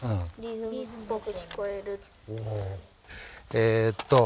えっと